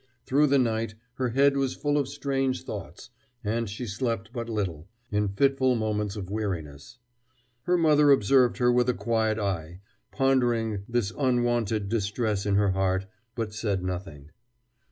Through the night her head was full of strange thoughts, and she slept but little, in fitful moments of weariness. Her mother observed her with a quiet eye, pondering this unwonted distress in her heart, but said nothing.